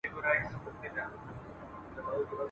په خوږو خوبونو مست لكه مينده وو !.